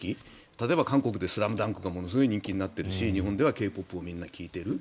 例えば、韓国で「ＳＬＡＭＤＵＮＫ」がものすごい人気になっているし日本ではＫ−ＰＯＰをみんな聴いている。